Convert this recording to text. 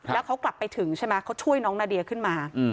แล้วเขากลับไปถึงใช่ไหมเขาช่วยน้องนาเดียขึ้นมา